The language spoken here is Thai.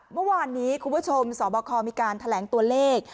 เมื่อวานนี้คุณผู้ชมสบคมีการแถลงตัวเลข